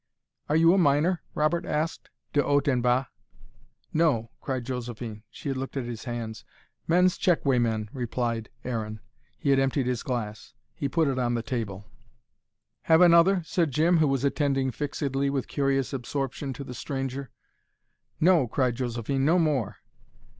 "Are you a miner?" Robert asked, de haute en bas. "No," cried Josephine. She had looked at his hands. "Men's checkweighman," replied Aaron. He had emptied his glass. He put it on the table. "Have another?" said Jim, who was attending fixedly, with curious absorption, to the stranger. "No," cried Josephine, "no more."